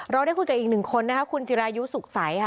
ได้คุยกับอีกหนึ่งคนนะคะคุณจิรายุสุขใสค่ะ